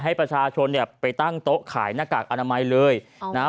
ให้ประชาชนเนี่ยไปตั้งโต๊ะขายหน้ากากอนามัยเลยนะฮะ